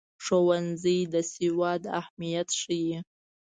ښوونځی د سواد اهمیت ښيي.